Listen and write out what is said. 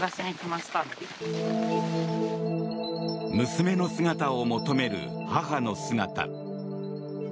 娘の姿を求める母の姿。